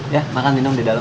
ya makan minum di dalam